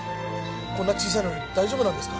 こんなに小さいのに大丈夫なんですか？